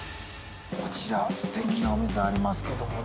こちら、すてきなお店ありますけれどもね。